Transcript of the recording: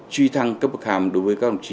truy thăng cấp bậc hàm đối với các đồng chí